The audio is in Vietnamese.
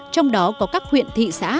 trong đó có các huyện thị xã